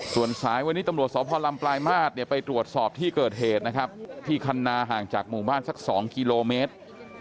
ส่วนสายวันนี้ตำรวจสพลำปลายมาตรเนี่ยไปตรวจสอบที่เกิดเหตุนะครับที่คันนาห่างจากหมู่บ้านสัก๒กิโลเมตร